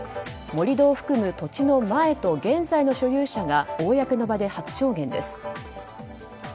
盛り土を含む土地の前と現在の所有者が公の場で初証言です。